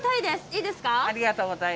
いいですか？